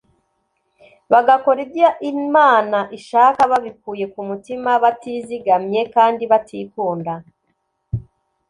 bagakora ibyo imana ishaka babikuye ku mutima, batizigamye, kandi batikunda